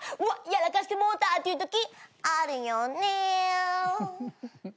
やらかしてもうたっていうときあるよね。